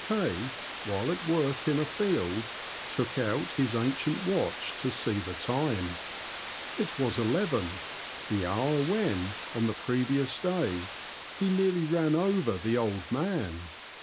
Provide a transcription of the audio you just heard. K , while at work in a field, took out 248 THE LAND OF THE BROADS. his ancient watch to see the time ; it was eleven (the hour when, on the previous day, he nearly ran over the old man).